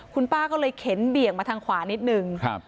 คุณป้าก็เลยเข็นเบี่ยงมาทางขวานิดนึงครับ